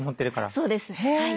そうですはい。